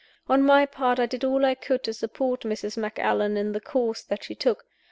On my part I did all I could to support Mrs. Macallan in the course that she took.